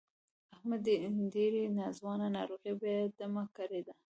احمد ډېرې ناځوانه ناروغۍ بې دمه کړی دی.